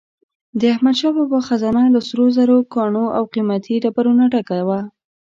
د احمدشاه بابا خزانه له سروزرو، ګاڼو او قیمتي ډبرو نه ډکه وه.